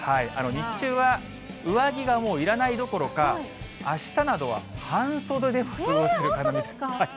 日中はもう上着がもういらないどころか、あしたなどは半袖でも過ごせる感じです。